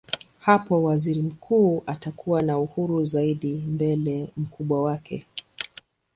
Hapo waziri mkuu atakuwa na uhuru zaidi mbele mkubwa wake.